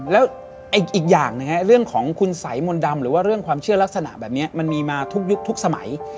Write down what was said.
แล้วอีกอย่างนะฮะเรื่องของคุณสัยมนต์ดำหรือว่าเรื่องความเชื่อลักษณะแบบนี้มันมีมาทุกยุคทุกสมัย